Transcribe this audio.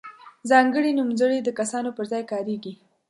ځانګړي نومځري د کسانو پر ځای کاریږي.